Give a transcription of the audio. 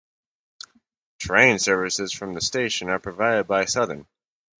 Train services from the station are provided by Southern.